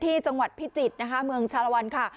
ที่จังหวัดพิจิตรนะคะเมืองชาลวันค่ะ